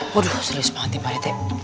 waduh serius banget nih pak rt